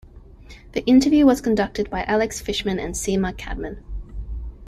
The interview was conducted by Alex Fishman and Sima Kadmon.